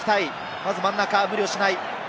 まず真ん中、無理をしない。